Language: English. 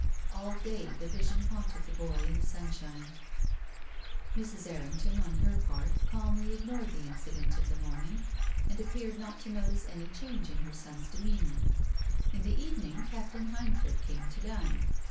All day the vision haunted the boy in the sunshine. Mrs. Errington, on her part, calmly ignored the incident of the morning and appeared not to notice any change in her son's demeanour. In the evening Captain Hindford came to dine.